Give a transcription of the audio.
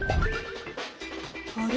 あれ？